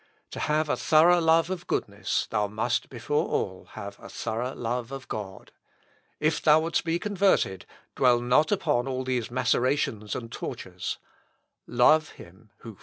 To have a thorough love of goodness, thou must, before all, have a thorough love of God. If thou wouldest be converted, dwell not upon all these macerations and tortures; 'Love him who first loved thee.'"